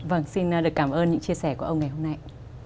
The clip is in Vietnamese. vâng xin được cảm ơn những chia sẻ của ông ngày hôm nay